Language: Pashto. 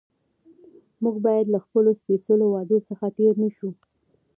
موږ باید له خپلو سپېڅلو وعدو څخه تېر نه شو